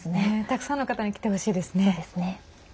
たくさんの方に来てほしいですね。